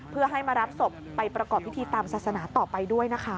เพื่อให้มารับศพไปประกอบพิธีตามศาสนาต่อไปด้วยนะคะ